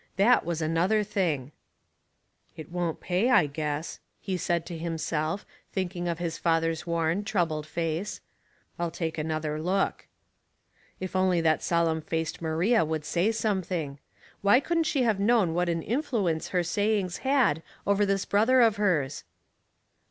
That was another thinir. "It won't pay, I guess," he said to himself, thinking of his father's worn, troubled face. "I'll take another look." If only that solemn faced Maria would say something. Why 120 Household Puzzles, couldn't she have known what an influence het sayings had over this brother of hers